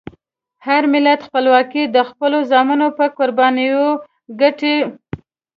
هر ملت خپلواکي د خپلو زامنو په قربانیو ګټي.